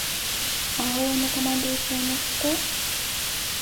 А галоўнакамандуючы ў нас хто?